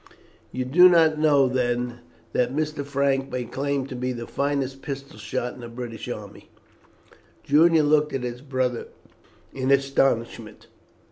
"You do not know, then, that Mr. Frank may claim to be the finest pistol shot in the British army." Julian looked at his brother in astonishment.